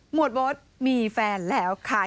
วดโบ๊ทมีแฟนแล้วค่ะ